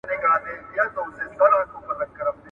بې نظمي ذهن ته سکون نه ورکوي.